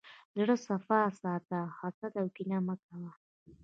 زړه صفا ساته، حسد او کینه مه کوه.